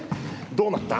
どうなった？